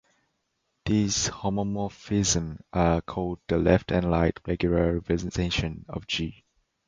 These homomorphisms are called the left and right regular representations of "G".